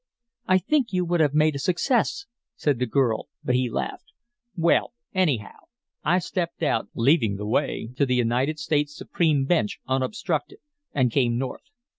"I think you would have made a success," said the girl, but he laughed. "Well, anyhow, I stepped out, leaving the way to the United States Supreme bench unobstructed, and came North.